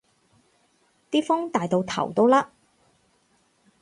啲風大到頭都甩